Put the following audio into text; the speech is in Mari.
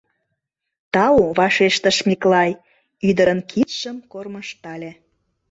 — Тау, — вашештыш Миклай, ӱдырын кидшым кормыжтале.